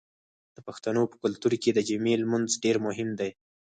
د پښتنو په کلتور کې د جمعې لمونځ ډیر مهم دی.